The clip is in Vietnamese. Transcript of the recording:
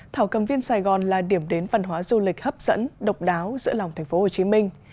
thảo cầm viên sài gòn là điểm đến văn hóa du lịch hấp dẫn độc đáo giữa lòng thành phố hồ chí minh